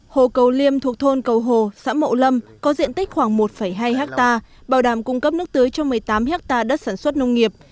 hồ cầu liêm thuộc thôn cầu hồ xã mậu lâm có diện tích khoảng một hai ha bảo đảm cung cấp nước tưới cho một mươi tám hectare đất sản xuất nông nghiệp